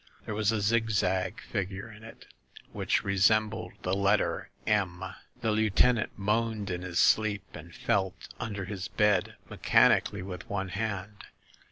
There was a zigzag figure in it which resem bled the letter M. The lieutenant moaned in his sleep, and felt under his bed mechanically with one hand.